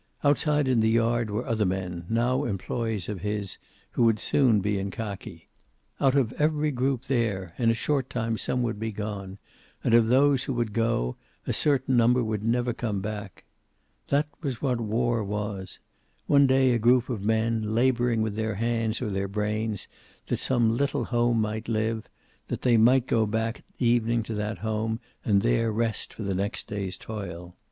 Outside in the yard were other men, now employees of his, who would soon be in khaki. Out of every group there in a short time some would be gone, and of those who would go a certain number would never come back. That was what war was; one day a group of men, laboring with their hands or their brains, that some little home might live; that they might go back at evening to that home, and there rest for the next day's toil.